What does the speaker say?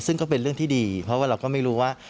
ซึ่งก็เป็นเรื่องที่ดีเพราะว่าเราก็ไม่รู้ว่า